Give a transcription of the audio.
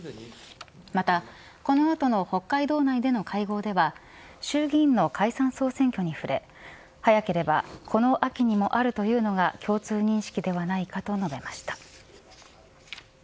またこの後の北海道内での会合では衆議院の解散総選挙に触れ早ければこの秋にもあるというのが共通認識ではないかと述べました。